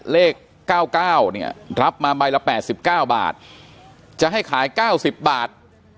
เลขเก้าเก้าเนี้ยรับมาใบละแปดสิบเก้าบาทจะให้ขายเก้าสิบบาท